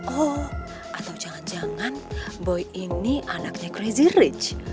oh atau jangan jangan boy ini anaknya crazy rich